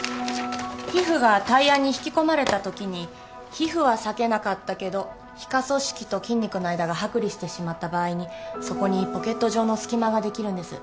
皮膚がタイヤに引き込まれたときに皮膚は裂けなかったけど皮下組織と筋肉の間が剥離してしまった場合にそこにポケット状の隙間ができるんです。